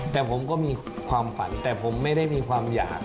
แต่ผมก็มีความฝันแต่ผมไม่ได้มีความอยาก